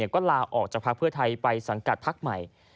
ก็ลาออกจากพักเพื่อไทยไปสังกัดพักใหม่